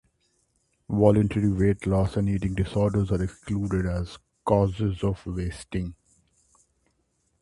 Voluntary weight loss and eating disorders are excluded as causes of wasting.